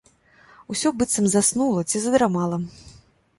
Усё быццам заснула ці задрамала.